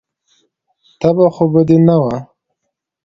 تبه خو به دې نه وه.